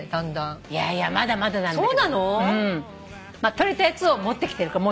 撮れたやつを持ってきてるから。